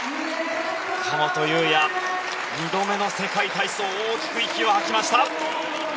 神本雄也、２度目の世界体操大きく息を吐きました。